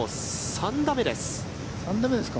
３打目ですか。